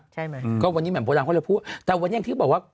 ใช่ไหมก็วันนี้แหม่โพดำเขาเลยพูดแต่วันนี้อย่างที่บอกว่า